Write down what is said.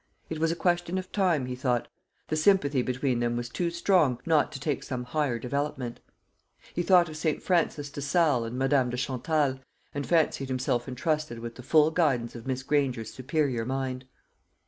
It was a question of time, he thought; the sympathy between them was too strong not to take some higher development. He thought of St. Francis de Sales and Madame de Chantal, and fancied himself entrusted with the full guidance of Miss Granger's superior mind.